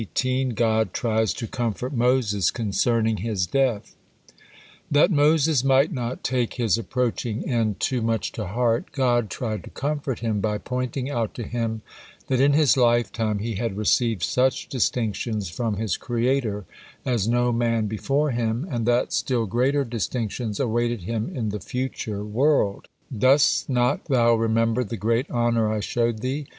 GOD TRIES TO COMFORT MOSES CONCERNING HIS DEATH That Moses might not take his approaching end too much to heart, God tried to comfort him by pointing out to him that in his lifetime he had received such distinctions from his Creator as no man before him, and that still greater distinctions awaited him in the future world. God said: "Dost not thou remember the great honor I showed thee?